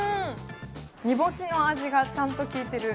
煮干しの味がちゃんと効いてる。